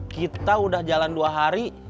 kita udah jalan dua hari